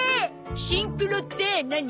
シンクロって何？